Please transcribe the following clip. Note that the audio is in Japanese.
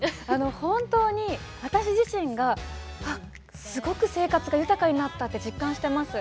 本当に私自身が生活がすごく豊かになったって実感しています。